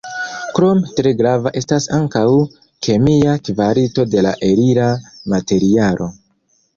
Krome, tre grava estas ankaŭ kemia kvalito de la elira materialo.